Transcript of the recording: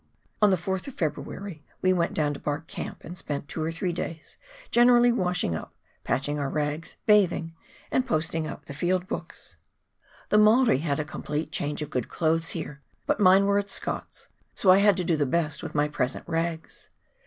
On the 4th of February we went down to Bark Camp, and spent two or three days generally washing up, patching our rags, bathing, and posting up the field books. The Maori had TWAIN RIVER. 251 a complete change of good clothes here, but mine were at Scott's, so I had to do the best with my present rags.